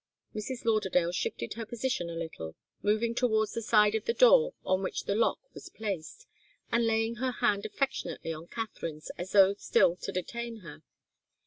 Mrs. Lauderdale shifted her position a little, moving towards the side of the door on which the lock was placed, and laying her hand affectionately on Katharine's, as though still to detain her.